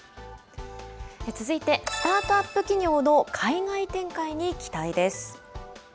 続いて、スタートアップ企業の海外展開に期待です。